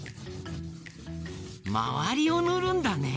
まわりをぬるんだね。